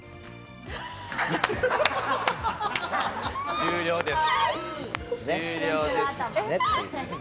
終了です。